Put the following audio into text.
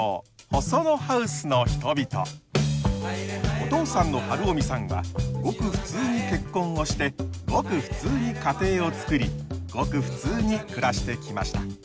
お父さんの晴臣さんはごく普通に結婚をしてごく普通に家庭を作りごく普通に暮らしてきました。